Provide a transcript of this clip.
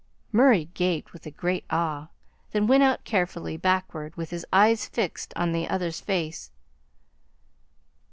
Murray gaped with a great awe, then went out carefully, backward, with his eyes fixed an the other's face.